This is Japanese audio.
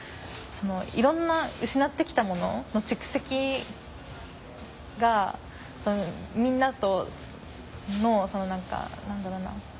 いろんな失って来たものの蓄積がみんなとの何か何だろうな。